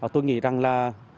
tôi nghĩ rằng là